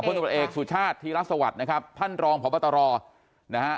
พลตำรวจเอกสุชาติที่รัฐสวรรค์นะครับท่านรองผอพตรอนะฮะ